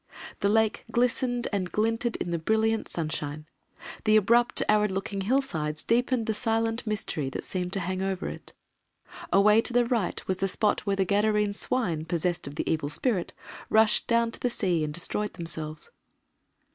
The Lake glistened and glinted in the brilliant sunshine, the abrupt arid looking hill sides deepened the silent mystery that seemed to hang over it. Away to the right was the spot where the Gadarene swine, possessed of the evil spirit, rushed down to the sea and destroyed themselves.